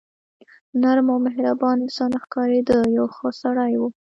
نرم او مهربان انسان ښکارېده، یو ښه سړی و.